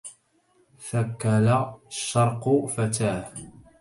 ثكل الشرق فتاه